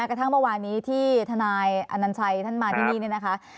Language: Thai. กระทั่งเมื่อวานนี้ที่ทนายอนัญชัยมาที่นี้